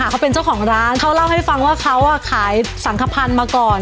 เขาเป็นเจ้าของร้านเขาเล่าให้ฟังว่าเขาขายสังขพันธ์มาก่อน